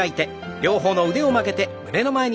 両方の腕を曲げて胸の前に。